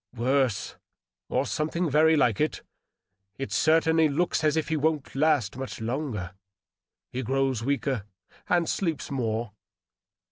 " Worse, or something very like it. It certainly looks as if he wouldn't last much longer. He grows weaker, and sleeps more."